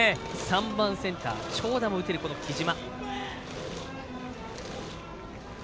３番、センター長打も打てる、木嶋。